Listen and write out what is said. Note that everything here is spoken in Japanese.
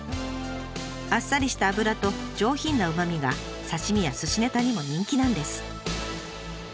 あっさりした脂と上品なうまみが刺身やすしネタにも人気なんです。